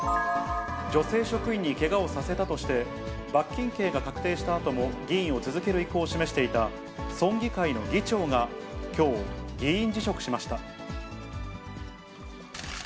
女性職員にけがをさせたとして、罰金刑が確定したあとも議員を続ける意向を示していた、村議会の議長がきょう、議員辞職しました。